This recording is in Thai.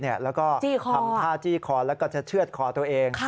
แล้วก็ทำท่าจี้คอแล้วก็จะเชื่อดคอตัวเอง